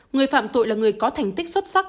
người phạm tội là người có thành tích xuất sắc